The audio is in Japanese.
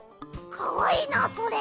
かわいいなそれ。